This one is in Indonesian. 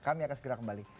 kami akan segera kembali